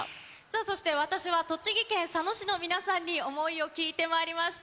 そして私は栃木県佐野市の皆さんに想いを聞いてまいりました。